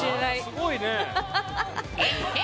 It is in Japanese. すごいねえ。